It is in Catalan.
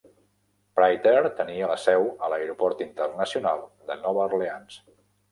Pride Air tenia la seu a l'aeroport internacional de Nova Orleans.